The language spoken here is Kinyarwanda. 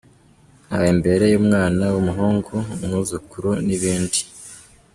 Ntawe mbereye umwana w’umuhungu, umwuzukuru , n’ibindi…….